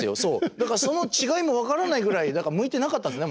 だからその違いも分からないぐらい向いてなかったんですね